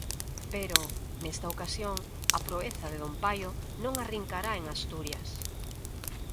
Pero, nesta ocasión, a proeza de don Paio non arrincará en Asturias.